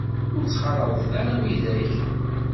Ur ttxalaḍet ara widak.